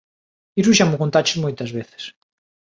Iso xa mo contaches moitas veces.